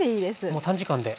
もう短時間で。